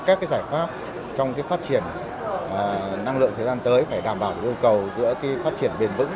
các cái giải pháp trong cái phát triển năng lượng thời gian tới phải đảm bảo được yêu cầu giữa cái phát triển bền vững